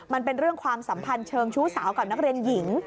มันเป็นเรื่องความสัมพันธ์เชิงชู้สาวกับนักเรียนหญิง